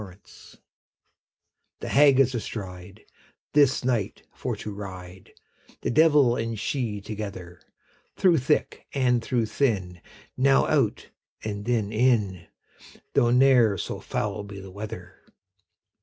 THE HAG The Hag is astride, This night for to ride, The devil and she together; Through thick and through thin, Now out, and then in, Though ne'er so foul be the weather.